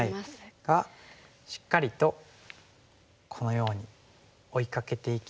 がしっかりとこのように追いかけていきまして。